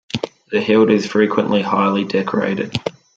The hilt is frequently highly decorated.